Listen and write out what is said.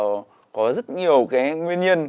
thực ra thì có rất nhiều cái nguyên nhân